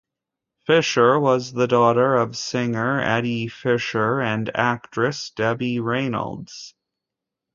Fisher was the daughter of singer Eddie Fisher and actress Debbie Reynolds.